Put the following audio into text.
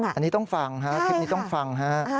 อันนี้ต้องฟังฮะคลิปนี้ต้องฟังฮะ